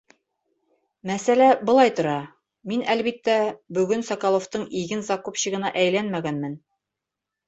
Мәсьәлә былай тора: мин, әлбиттә, бөгөн Соколовтың иген закупщигына әйләнмәгәнмен.